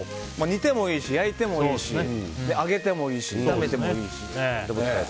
煮てもいいし、焼いてもいいし揚げてもいいし、炒めてもいいし。